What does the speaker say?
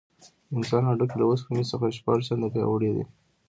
د انسان هډوکي له اوسپنې څخه شپږ چنده پیاوړي دي.